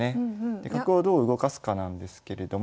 で角をどう動かすかなんですけれども。